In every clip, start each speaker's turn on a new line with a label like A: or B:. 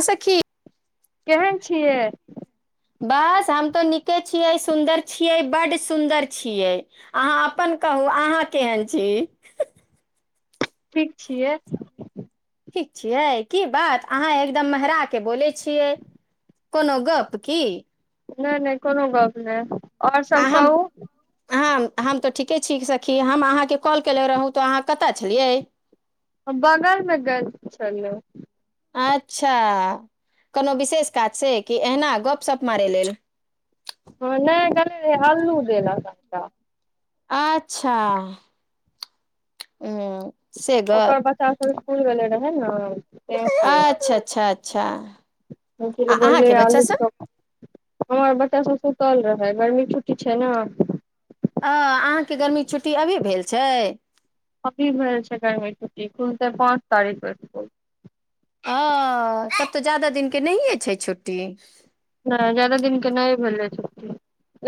A: आ सखी
B: केहन छियै
A: बस हम तो निके छियै सुन्दर छियै बड्ड सुन्दर छियै अहाँ अपन क कहू अहाँ केहन छी
B: ठीक छियै
A: ठीक छियै की बात अहाँ एकदम मेहरा के बोले छियै कोनो गप की
B: नहि नहि कोनो गप नहि आओर
A: अ
B: सब कहू
A: हम तऽ ठीके छी कि हम अहाँके कॉल केने रहौ तऽ अहाँ कतऽ छलियै
B: हम बगलमे गेल छलै
A: अच्छा कोनो विशेष काज से कि ऐहना गप सप मारय लेल
B: अललू देेल
A: अच्छा ह
B: ओकर बच्चा सब स्कुल गेले रहे ने
A: अच्छा अच्छा अच्छा आ
B: बनले
A: अहाँके बच्चा
B: आलू
A: सब
B: चोखा हमर बच्चासभ सुतल रहै गर्मीके छुट्टी छै ने
A: अ अहाँके गर्मी छुट्टी अभी भेल छै
B: की भ छै क मिठी खलत पाँच तिख रठ
A: ह कतऽ जादा दिनक के नहिए छै छुट्टी
B: ह ज्यादा दिनके नहि भेलै छुट्टी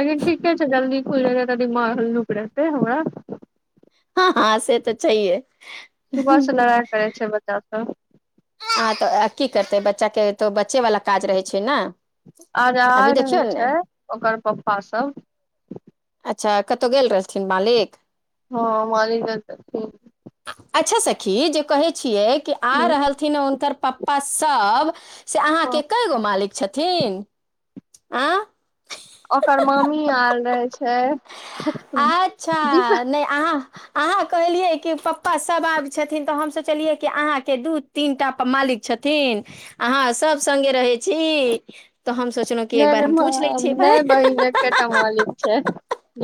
B: लेकिन ठीके छै जल्दी खुल जेत तऽ दिमाग हललुक रहतै हमरा
A: हँ हँ से तऽ चाहिए
B: सुबह से लड़ाइ करै छै बच्चा सब
A: आ तऽ की करतै बच्चा के तो बच्चे वाला काज रहै छै ने
B: आओर आ
A: अभी देखियौ
B: रहल
A: ने
B: छै ओकर पप्पासभ
A: अच्छा कतहु गेल रहथिन मालिक
B: हँ मार त
A: अच्छा सखी जे कहे छियै कि आ रहल हुंकर पप्पा सब से अहाँके कए गो मालिक छथि थीन आ
B: ओकर मामी आयल रह छै
A: अच्छा नहि अहाँ अहाँ कहलिये क पप्पा सब आब छथिन तो हम सोचलिये क अहा के दू तीन टा मालिक छथि छथिन अहाँ सभ संगे रहै छी तऽ हम सोचलहुँ कि एक
B: नहि
A: बार हम पूछि लै
B: नहि
A: छियै भाय
B: नहि भइ ने पटा मालिक छै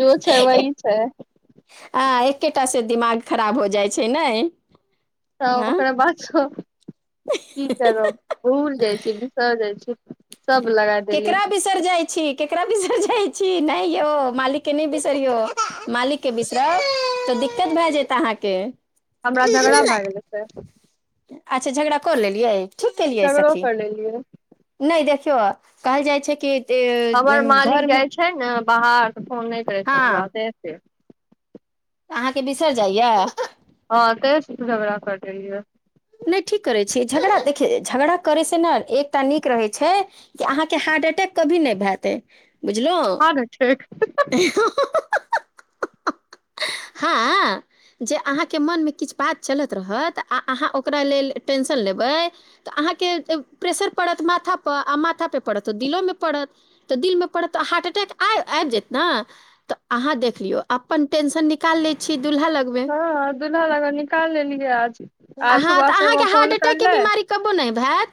B: जो छै
A: एक
B: वहि छै
A: आ एकेटा से दिमाग खराब हो जाइ छै ने
B: तऽ
A: हँ
B: ओकरा बात की करब भूल जाइ छी बिसर जाइ छी सब लगा देलियै
A: केकरा बिसर जाइ छी केकरा बिसर जाई छी नहि यौ मालिक नहि बिसरौ मालिक बिसरब दिक्कत भए जायत अहाँके
B: हमरा झगड़ा भए गेल छै
A: अच्छा झगड़ा कऽ लेलियै ठीक केलियै
B: झगड़ो
A: सखी
B: कर लेलियए
A: नहि देखियौ कहल जाइ छै कि
B: हमर
A: ए,
B: मालिक
A: घरमे
B: जाइत छै ने बाहर तऽ फोन नहि करै छै हमरा ओतय एत
A: तऽ अहाँके बिसरि जाइया
B: हँ त झगड़ा कर
A: नहि ठीक करै छीय झगड़ा देखिय झगड़ा करै से ने एकटा नीक रहै छै कि अहाँके हा अटै कभी नहि भतै बुझलहु
B: हँ ने ठीक
A: ह हँ जे अहाँके मोनमे किछु बात चलत रहत आ अहा ओ ओकरा लेल टेंशन लेवई त अहा के प्रेशर परत माथा पर आ माथा पे परत त दिक्कत दिलो में परत त हार्ट अटैक आ आ जाइट ना त अहा देखियो आ अपन टेंशन निकाल ले छै
B: हँ दुल्हा लग निकाल लेलियै आज आज
A: त अहा के हार्ट अटैक के बीमारी कबो ना भेल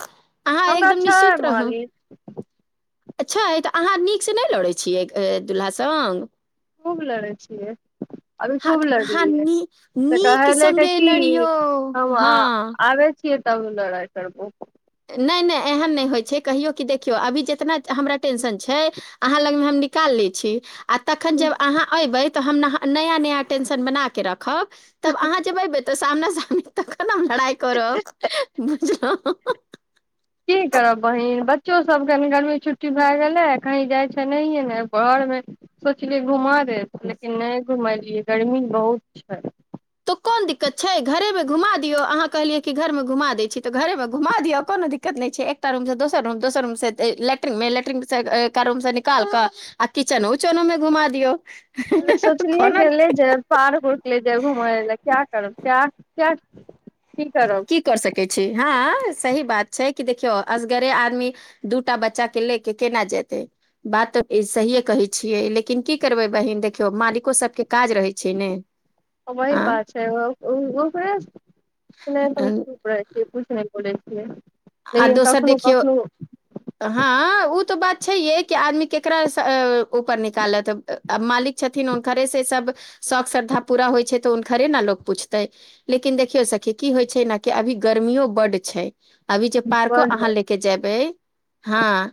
A: अहाँ
B: हमरा
A: एकदम
B: छै
A: निश्चित रहू
B: मालिक
A: अच् छै तऽ अहाँ नीकसँ नहि लड़ैत छियै दुल्हा संग
B: खूब लड़ै छियै अभी
A: हँ
B: खूब
A: तऽ अहाँ
B: लड़लियै
A: नी
B: तऽ
A: नीक
B: कहले त
A: सङ्गे
B: क
A: लड़ियौ
B: हम
A: हँ
B: आबै छी क तब लड़ाइ करब
A: नहि नहि एहन नहि होइत छै कहियौ कि देखियौ अभी जेितना हमरा टेंशन छै अहाँ लगमे हम निकाल लई छी आ तखन जब अहा एईब नया नया टेंशन बना के रखम तब अहाँब जब एयबै तऽ सामना साम तखतम लड़ाइ करब बुझलौं
B: की करब बहिन बच्चो सबकेनि गर्मी छुट्टी भए गेलै कहीं जाइ छै नहिे ने घर मे सोचलियै घुमा दे लेकिन नहि घुमलियै गर्मी बहुत छै
A: तो कोन दिक्कत छै घरेमे घुमा दियौ अहाँ कहलियै कि घरमे घुमा दै छी तऽ घरेमे घुमा दिअ कोन कोनो दिक्कत नै छै एकटा रूम दोसर रूम दोसर रूमिन लेट्रिन मे एक रूम से निकाल क आ किचनो उचनो में घुमा दियौ
B: सोचलियै
A: कोना
B: गेले जे पार्क उर्क ले जाय घुमय ल क्या करू का क
A: की कर सकै छी हँ सही बात छै कि देखियौ असगरे आदमी दूटा बच्चा के ले के केना जेतै बात सहिे कहै छियै लेकिन की करबै बहिन देखियौ मालिको सबके काज रहै छै ने
B: हम वही ह
A: आ
B: बात छै ओ चुप रहै छियै कुछ नहि बोलै छियै
A: आ
B: लेकिन
A: दोसर
B: कखनो
A: देखियौ
B: कखनो
A: हँ ओ त बात छै य कि आदमी केकरा ऊपर निकालत आ मालिक छथिन उनकरे से सब शौक श्रद्धा पूरा होइ छै तऽ हुनकरे ने लोक पूछतै लेकिन देखियौ सखी की होइ छै ने अभी अभी गर्मियो बड्ड छै अभी जे पार्को
B: बन्द
A: अहाँ
B: भऽ
A: लेके जेयबै हँ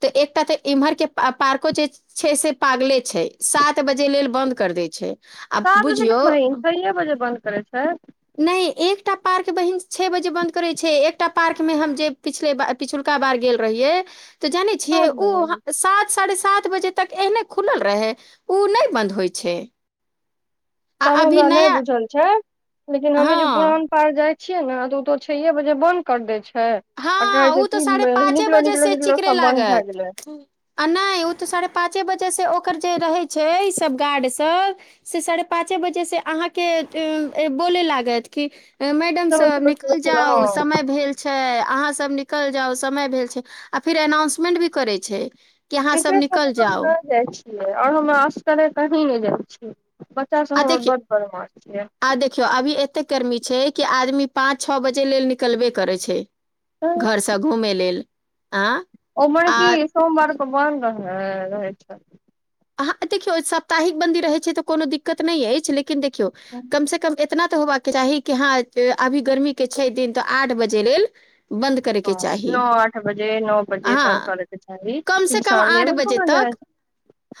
A: तऽ एकटा तऽ इम्हर के पार्को जे छै से पागले छै सात बजे लेल बंद कर देै छै आ
B: सात बजे नहि
A: बुझियौ
B: बहिन छए बजे बन्द करै छै
A: नहि एक एकटा पार्क बहिन छओ बजे बन्द करैत छै एक पार्क मे हम जे पे पिछुलका बार गेल रहियै तऽ जानै छियै
B: सात
A: ओ
B: बजे
A: सात साढ़े सात बजे तक एहने खुलल रहै ओ नहि बन्द होइ छै आ
B: तब
A: अभी
B: हमरा नहि
A: नया
B: बुझल छै लेकिन हमे जे
A: हँ
B: पुरान पार्क जाय छियै ने तऽ ओ तऽ छे बजे बन्द कर दै छै आ कहै
A: हँ
B: छै
A: उ ते
B: कि
A: साढ़े पाँचे
B: निकलो
A: बजे
B: निकलो
A: से
B: निकलो
A: चिकरे
B: सब बन्द भए
A: लागत
B: गेलै
A: आ नहि उ ते साढ़े पाँचे वजह से ओ रहे छै सब गाड सब साढ़े पाँचे बजे से अहाँ बोले लागत मैडम
B: चलो
A: सब
B: चलो चलो
A: निकल
B: चलो हँ
A: जाउ समय भेल छै अहाँ सब निकल जाउ समय भेल छै आ फेर एनाउंसमेंट भी करै छै कि अहाँ सब
B: एकरे
A: निकल
B: खातिर हम
A: जाउ
B: न जाइ छियै आओर हम असगरे कही नहि जाइ छियै बच्चा सब
A: आ
B: हमर
A: देखियौ
B: बड बदमाश छियै
A: आ देखियौ अभी एते गर्मी छै कि आदमी पाँच छओ बजे लेल निकलबे करै छै घरसँ घूमय लेल आ
B: ओमर की
A: आ
B: सोमवारके बन्द रह रहै छै
A: अह देखियौ सप्ताहिक बन्दी रहै छै तऽ कोनो दिक्कत नहि अछि लेकिन देखियौ कम से कम इतना तऽ होबाक के चाही कि हँ अभी गर्मी के छै दिन तऽ आठ बजे लेल बन्द
B: ह
A: करैके चाही
B: नओ आठ बजे नओ बजे बंद
A: हँ
B: हुए के
A: कम से
B: चाही
A: कम आठ
B: सझेमे
A: बजे
B: कोना जा
A: तक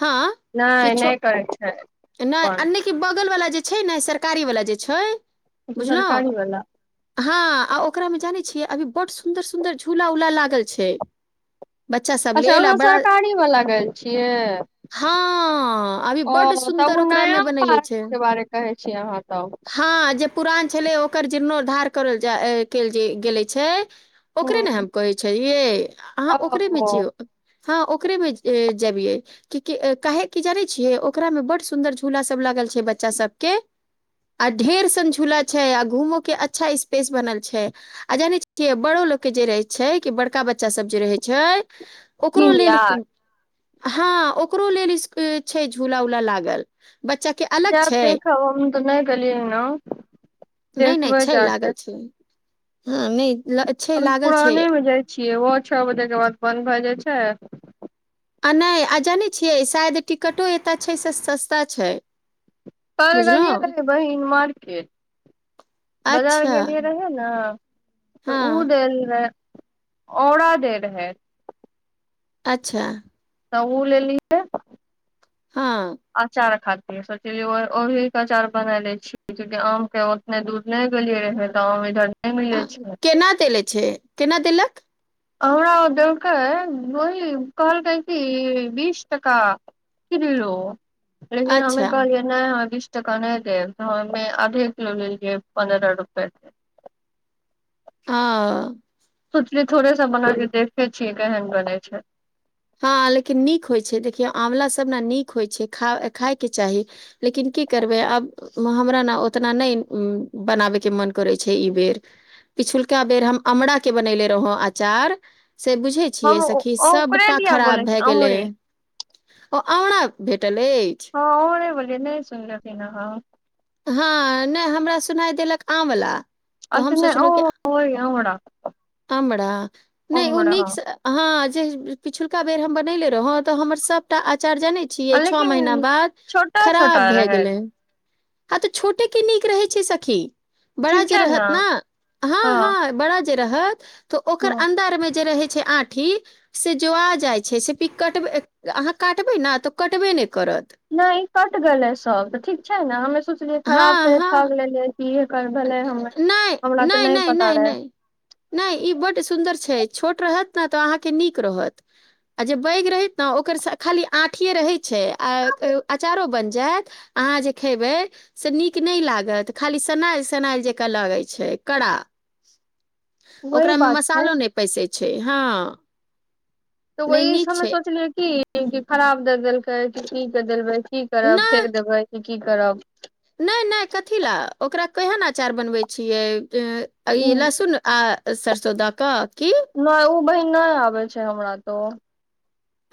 A: हँ कि
B: नहि
A: छो
B: नहि करै छै
A: नहि आ
B: बन्द
A: नहि कि बगलवला जे छै ने सरकारी वला जे छै
B: ओ तऽ
A: बुझलहु
B: सरकारी वाला
A: हँ आ ओकरामे जानै छियै अभी बड् सुन्दर सुन्दर झूला उला लागल छै बच्चा सब
B: अच्छा
A: लेल आ
B: अहाँ
A: बड़ा
B: सरकारी वाला गेल छियै
A: हँ ह अभी
B: ओ
A: बड
B: तऽ
A: सुन्दर
B: ओ
A: ओकरा मे
B: नया
A: बनैने
B: पार्क
A: छै
B: के बारे कहै छियै अहाँ तब
A: ह पुरान छलै ओकर जीर्णोद्धार करल जा केल गेले छै ओकरे ने हम
B: हूँ
A: कहै छ ये अहाँ ओकरेमे
B: ओ
A: जियौ हँ ओकरेमे जबियए के के काहे की जानै छियै ओकरा मे बड सुन्दर झूला सब लागल छै बच्चा सबके आ ढेर संझुला छै आ घूमो के अच्छा स्पेस बनल छै आ जानै छ बड़ो लोग के जे रहे छै कि बड़का बच्चा सब जे रहे छै ओकरो
B: जिम
A: लेल
B: यार
A: हँ ओकरो लेल छै झूला उला लागल बच्चा के अलग
B: ब
A: छै
B: देखा हम तऽ नहि गलिय ने
A: नहि नहि छै लागल छै हँ नहि ल- छै
B: हमऽ
A: लागल छै
B: पुरानेमे जाइ छियै ओहो छओ बजेके बाद बन्द भए जाइ छै
A: आ नहि आ जानै छियै शायद टिकटो एतय छै से सस्ता छै
B: कल गेलियै
A: बुझलहुँ
B: रहै बहिन मार्केट बाजार
A: अच्छा
B: गेलियै रहे ने तऽ
A: हँ
B: ओ देल रहे औड़ा दे रहै
A: अच्छा
B: तऽ ओ लेलियै
A: हँ
B: अचार खाद सोचलियै ओहिे अचार बना ले छीय क्यूंकि आम के उतने दूर नहि गेलिये रहे तऽ आम इधर नहि मिले छै
A: केना देले छै केना देलक
B: हमरा देलकै वही कहलकै कि बीस टाका किलो लेकिन हमे
A: अच्छा
B: कहलियै नहि हमरा बीस टका नहि देब त हमे आधे किलो लेलियै पन्द्रह रुपे
A: ह
B: सोचली थोड़ेसँ बन देखे छियै केहन बनै छै
A: आँवलला सब ने नीक होइ छै खायके चाही लेकिन की करबै आब हमरा न ओ उतना नहि बनाबे के मन करै छै ई बेर पिछुलका बेर हम अमराक के बननेे रहौ अचार से बुझै छियै
B: हम
A: सखी
B: ओकरे
A: सभटा
B: दिया
A: खराब
B: बोलै छी
A: भए गेलै
B: अमरे
A: ओ अमरा भेटल अछि
B: हँ [unintelligible]
A: हँ नहि हमरा सुनाइ देलक आमवला
B: अथि नै ओ ओइ औरा [unintelligible]
A: अमरा नहि ओ नीक सँ हँ जे पिछुलका बेर हम बनैले रहौं तऽ हमर सभटा अचार अंचार जानै छियै छओ महीना
B: लेकिन
A: बाद
B: छोटा
A: खराब
B: छोटा
A: भए
B: रहै
A: गेलै ह तऽ छोटे के नीक रहे छै सखी बड़ा
B: ठीक
A: जे
B: छै ने
A: रहत न हँ हा बड़ा जे रहत तऽ ओकर
B: हँ
A: अन्दरमे जे रहै छै आठी से जोआ जाइ छै से पिक अहाँ काटबे न तऽ कटबे ने
B: नहि कटि गेलै सभ तऽ ठीक छै ने हमे सोचलियै खराब
A: हँ
B: छै
A: हँ
B: ठग लेलै कि एकर भेलै हमे
A: नहि
B: हमरा तऽ
A: नहि नहि
B: पता
A: नहि
B: रहै
A: नहि नहि ई बड सुन्दर छै छोट रहत ने तऽ अहाँके नीक रहत आ जे पैग रहैत ने ओकर खाली आठीए रहैत छै आ अचारो बनि जायत आहाँ जे खेबै से निक नै लागत खाली सनाइल सनाइल जका लागै छै का
B: वही
A: ओकरा मे
B: बात छै
A: मसालो पैसे छै हँ
B: तऽ ओ
A: नहि नीक
B: ईमे
A: छै
B: सोचलियै की खराब दए देलकै कि की कर देलकै की करब
A: नहि
B: फेर देबै की करब
A: नहि नहि कथी ल ओकरा केहन अचार बनबै छियै ए इ
B: उम्म,
A: लहसुन आ सरसो द क
B: नइ उ बहिन नइ आबै छै हमरा त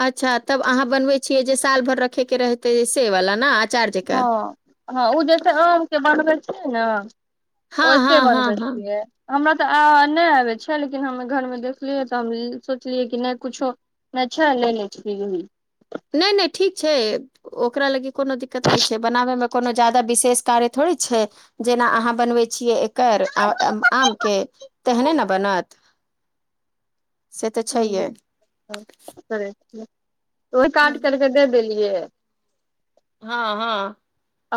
A: अच्छा तब अहाँ बनबै छियै जे साल भरि रखेके रहतै से वाला न
B: हँ हँ ओ जे छै आमके बनबै छिये न
A: हँ
B: ओैसे
A: हँ हँ
B: बनबै
A: हँ
B: छियै हमरा आ नहि आबै छै लेकिन हम घरमे देखलियै तऽ हम सोचलियै कि नहि कुछो नहि छै ले लै छी ओहि
A: नहि नहि ठीक छै ओकरा लागी कोनो दिक्कत नहि छै बनाबयमे कोनो जादा विशेष थोड़ी छै जेना अहाँ बनवै छिये एकर अ आम के तेहने न बनै सात
B: हूँ तब की करै छियै ओहि काट करके दे देलियै
A: हँ हँ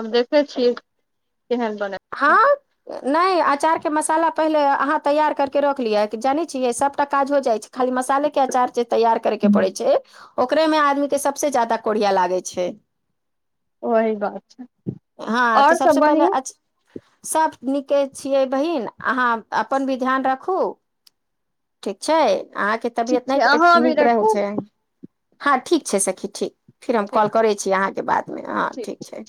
B: आब देखै छियै केहन बनै छै
A: हँ नहि अंचारके मसाला पहिले अहाँ तैयार करकेे रख लिअ जानै छियै सभटा काज हो जाइ छै खाली मसाले के अंचार जे तैयार करैके पड़ै छै ओकरेमे आदमी के सबसँ ज्यादा कोढ़िया लागै छै
B: वही बात छै
A: हँ तऽ
B: आओर सब
A: सबसँ पहिले
B: बहिन
A: अच सभ नीके छियै बहिन अहाँ अपन भी ध्यान राखू ठीक छै अहाँके
B: ठीक
A: तबियत
B: छै
A: नहि
B: अहाँ अभी
A: नीक रहै
B: रखू
A: छै हँ ठीक छै सखी ठीक फिर हम
B: ठीक
A: कॉल करै छी अहाँके बादमे हँ ठीक छै